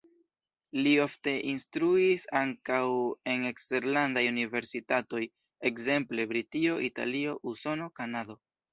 Li ofte instruis ankaŭ en eksterlandaj universitatoj, ekzemple Britio, Italio, Usono, Kanado.